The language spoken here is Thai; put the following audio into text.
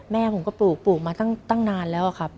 แม่ผมก็ปลูกปลูกมาตั้งนานแล้วครับ